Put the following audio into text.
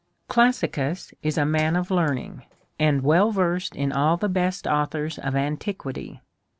Classicus is a man of learning', and well versed in all the best authors of antiquity.